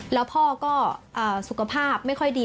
แล้วพ่อก็สุขภาพไม่ค่อยดี